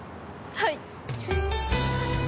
はい。